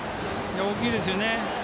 大きいですよね